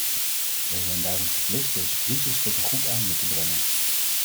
Wij zijn daarom verplicht deze crisis tot een goed einde te brengen.